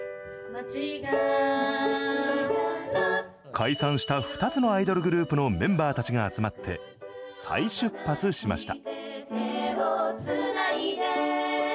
解散した２つのアイドルグループのメンバーたちが集まって再出発しました